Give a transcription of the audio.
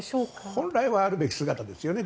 本来はあるべき姿ですよね。